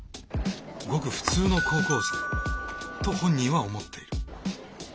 ごくフツーの高校生と本人は思っている。